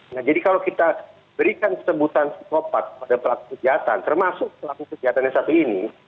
nah jadi kalau kita berikan sebutan psikopat pada pelaku kejahatan termasuk pelaku kejahatan yang satu ini